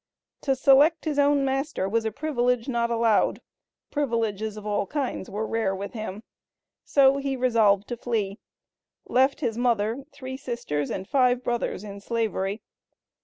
To select his own master was a privilege not allowed; privileges of all kinds were rare with him. So he resolved to flee. Left his mother, three sisters and five brothers in slavery.